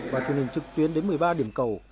và truyền hình trực tuyến đến một mươi ba điểm cầu